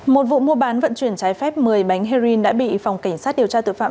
một vụ mua bán vận chuyển trái phép một mươi bánh heroin đã bị phòng cảnh sát điều tra tội phạm